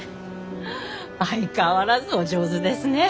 相変わらずお上手ですね。